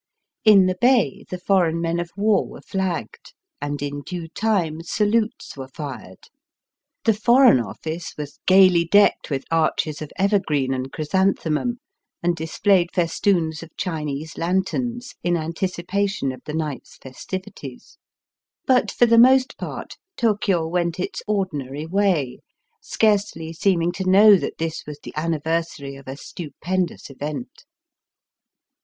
In the bay the foreign men of war were flagged, and in due time salutes were fired. The Foreign Office was gaily decked with arches of evergreen and chrysan themum, and displayed festoons of Chinese lanterns in anticipation of the night's festivi Digitized by VjOOQIC THE mikado's birthday f^jte. 221 ties. But for the most part Tokio went its ordinary way, scarcely seeming to know that this was the anniversary of a stupendous event.